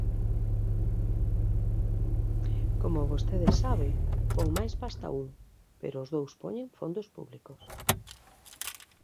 Como vostede sabe, pon máis pasta un, pero os dous poñen fondos públicos.